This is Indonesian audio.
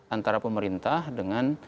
antara pemerintah dengan